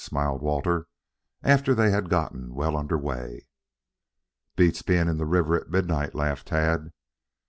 smiled Walter, after they had gotten well under way. "Beats being in the river at midnight," laughed Tad.